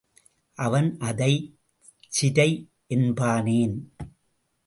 அவன் அதைச் சிரை என்பானேன்?